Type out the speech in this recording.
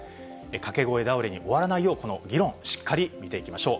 掛け声倒れに終わらないよう、この議論、しっかり見ていきましょう。